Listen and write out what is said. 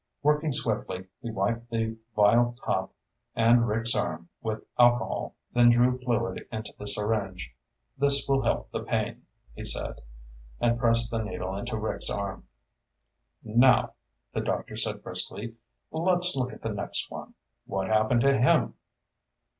Working swiftly, he wiped the vial top and Rick's arm with alcohol, then drew fluid into the syringe. "This will help the pain," he said, and pressed the needle into Rick's arm. "Now," the doctor said briskly, "let's look at the next one. What happened to him?"